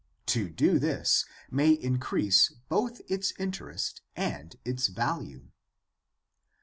To do this may increase both its interest and its value.